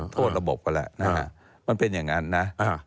โทษระบบก็แล้วนะฮะมันเป็นอย่างนั้นนะ